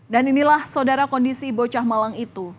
dan inilah saudara kondisi bocah malang itu